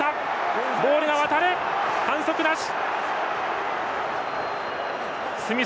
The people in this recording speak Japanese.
反則なし！